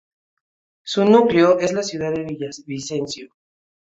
Su núcleo es la ciudad de Villavicencio.